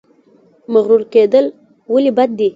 مغرور کیدل ولې بد دي؟